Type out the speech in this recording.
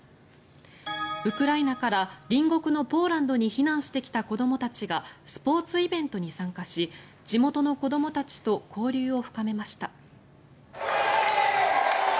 ウクライナから隣国のポーランドに避難してきた子どもたちがスポーツイベントに参加し地元の子どもたちと交流を深めました。